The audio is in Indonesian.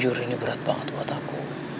jujur ini berat banget buat aku